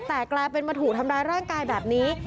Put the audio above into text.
แต่กลายเป็นมาถูกทำร้ายร่างกายแบบนี้